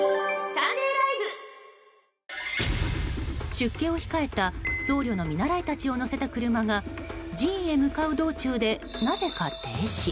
出家を控えた僧侶の見習いたちを乗せた車が寺院へ向かう道中でなぜか停止。